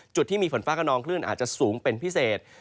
จุดที่มีฝนฟ้ากระนองคลื่นอาจจะสูงเป็นพิเศษ